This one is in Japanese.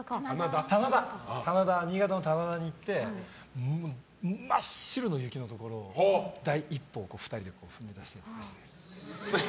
新潟の棚田に行って真っ白の雪のところを１歩を踏み出したりとかしました。